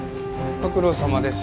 ご苦労さまです。